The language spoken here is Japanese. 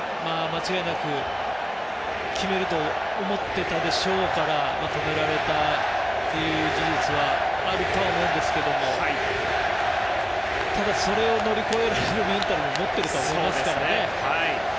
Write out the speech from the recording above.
間違いなく決めると思っていたでしょうから止められたという事実はあるとは思うんですけどもただ、それを乗り越えられるメンタルも持っていると思いますからね。